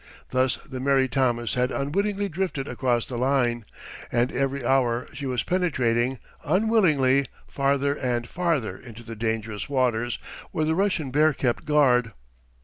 Thus the Mary Thomas had unwittingly drifted across the line, and every hour she was penetrating, unwillingly, farther and farther into the dangerous waters where the Russian bear kept guard.